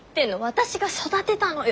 私が育てたのよ。